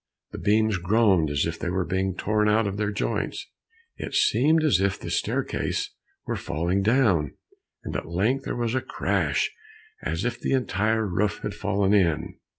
The beams groaned as if they were being torn out of their joints, it seemed as if the staircase were falling down, and at length there was a crash as if the entire roof had fallen in.